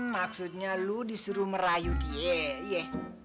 maksudnya lo disuruh merayu dia yeh